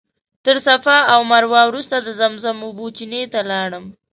تر صفا او مروه وروسته د زمزم اوبو چینې ته لاړم.